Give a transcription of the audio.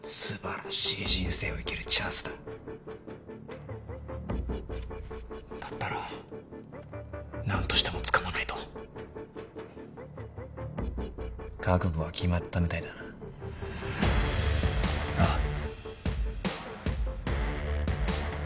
すばらしい人生を生きるチャンスだだったら何としてもつかまないと覚悟は決まったみたいだなあ